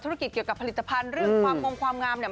ธุรกิจเกี่ยวกับผลิตภัณฑ์เรื่องความงงความงามเนี่ย